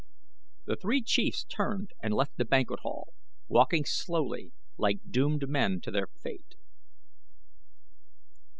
The three chiefs turned and left the banquet hall, walking slowly like doomed men to their fate.